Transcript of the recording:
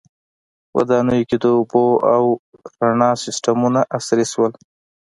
• ودانیو کې د اوبو او رڼا سیستمونه عصري شول.